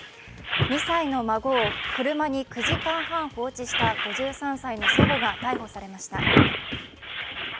２歳の孫を車に９時間半放置した５３歳の祖母が逮捕されました。